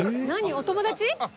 お友達？